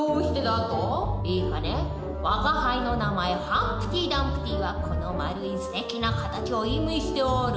我が輩の名前ハンプティ・ダンプティはこの丸いすてきな形を意味しておる。